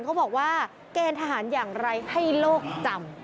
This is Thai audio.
เขาบอกว่าเกณฑ์ทหารอย่างไรให้โลกจำ